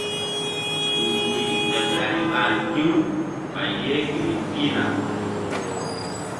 Nzukri ɓeɓ lari ɓa ŋgi̧-u ɓay yeh keni pihna.